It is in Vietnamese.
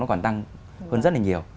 nó còn tăng hơn rất là nhiều